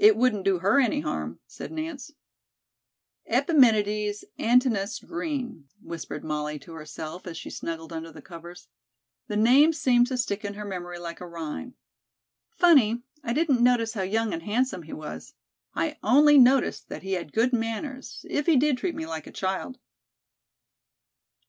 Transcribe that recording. "It wouldn't do her any harm," said Nance. "Epiménides Antinous Green," whispered Molly to herself, as she snuggled under the covers. The name seemed to stick in her memory like a rhyme. "Funny I didn't notice how young and handsome he was. I only noticed that he had good manners, if he did treat me like a child."